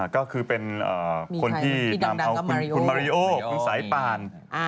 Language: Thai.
ก็คือเป็นคนที่นำเอาคุณมาริโอคุณสายป่าน